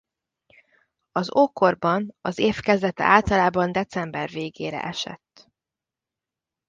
Az ókorban az év kezdete általában december végére esett.